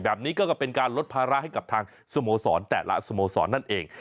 แบบนี้ก็เป็นการลดภาระให้กับทางสโมสรแต่ละสโมสรนั่นเอง